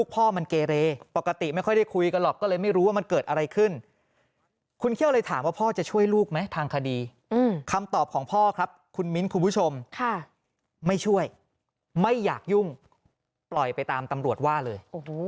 ปล่อยไปตามตำรวจว่าเลย